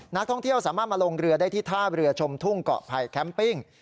นักท่องเที่ยวสามารถมาลงเรือได้ที่ท่าเรือชมทุ่งเกาะไผ่แคมปิ้ง